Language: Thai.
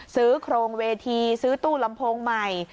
โครงเวทีซื้อตู้ลำโพงใหม่